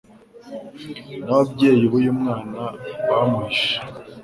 n'ababyeyi b'uyu mwana bamuhishe